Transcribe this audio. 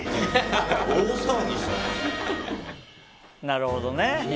なるほどね。